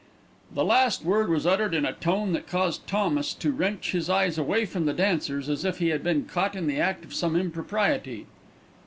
The last word was uttered in a tone that caused Thomas to wrench his eyes away from the dancers as if he had been caught in the act of some impropriety.